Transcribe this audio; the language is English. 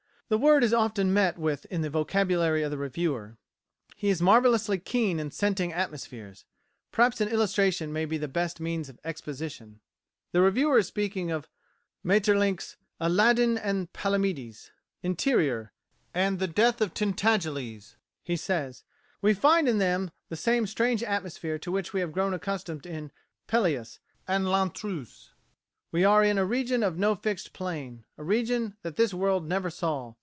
The word is often met with in the vocabulary of the reviewer; he is marvellously keen in scenting atmospheres. Perhaps an illustration may be the best means of exposition. The reviewer is speaking of Maeterlinck's "Alladine and Palomides," "Interior," and "The Death of Tintagiles." He says, "We find in them the same strange atmosphere to which we had grown accustomed in 'Pelleas' and 'L'Intruse.' We are in a region of no fixed plane a region that this world never saw.